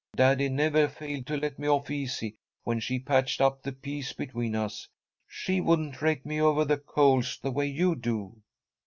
Daddy never failed to let me off easy when she patched up the peace between us. She wouldn't rake me over the coals the way you do."